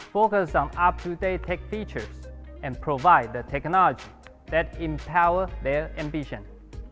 fokus pada fitur teknologi yang sudah ada dan memberikan teknologi yang memuaskan keinginan mereka